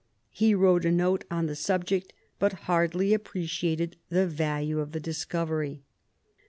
He wrote a note on the subject, but hardly appreciated the value of the discovery.